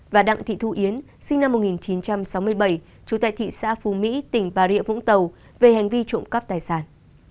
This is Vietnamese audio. và đặng thị thu yến sinh năm một nghìn chín trăm sáu mươi bảy trú tại thị xã phú mỹ tỉnh bà rịa vũng tàu về hành vi trộm cắp tài sản